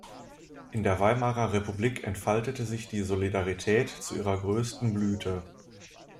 In der Weimarer Republik entfaltete sich die „Solidarität“ zu ihrer größten Blüte.